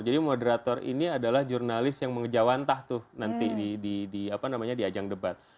jadi moderator ini adalah jurnalis yang mengejawantah tuh nanti di ajang debat